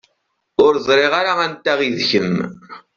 Ur ẓriɣ ara anta i d kemm.